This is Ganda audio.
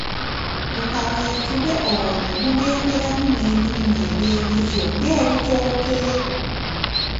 Mu kaweefube ono mugenderamu n’ebirime ebyenkizo ng’ebitooke.